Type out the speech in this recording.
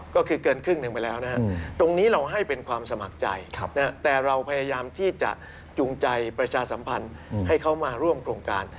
ก็คือเกินครึ่งหนึ่งไปแล้วนะฮะตรงนี้เราให้เป็นความสมัครใจแต่เราพยายามที่จะจูงใจประชาสัมพันธ์ให้เขามาร่วมโครงการ